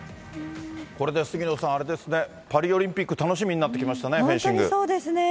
これで杉野さん、あれですね、パリオリンピック、楽しみになってきましたね、本当にそうですね。